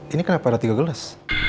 ini kenapa ada tiga gelas